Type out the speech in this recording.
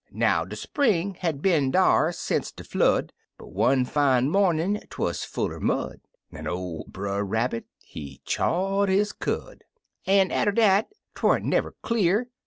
Now, de spring had been dar sence de Flood, But one fine mornin' 'twuz full er mud, (An' ol' Brer Rabbit, he chawed his cud 1 ) An' atter dat 'twa'n't never clear.